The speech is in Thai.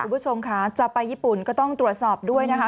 คุณผู้ชมค่ะจะไปญี่ปุ่นก็ต้องตรวจสอบด้วยนะคะ